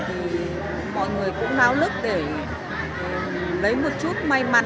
thì mọi người cũng đáo lức để lấy một chút